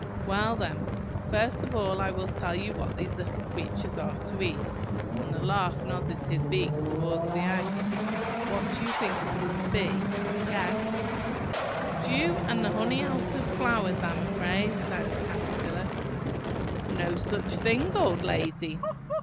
"Well, then, first of all, I will tell you what these little creatures are to eat"–and the Lark nodded his beak towards the eggs. "What do you think it is to be? Guess!" "Dew, and the honey out of flowers, I am afraid," sighed the Caterpillar. "No such thing, old lady!